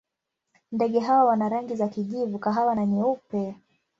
Ndege hawa wana rangi za kijivu, kahawa na nyeupe.